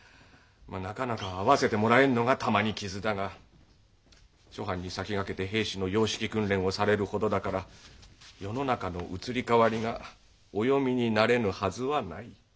なかなか会わせてもらえんのが玉にきずだが諸藩に先がけて兵士の洋式訓練をされるほどだから世の中の移り変わりがお読みになれぬはずはない。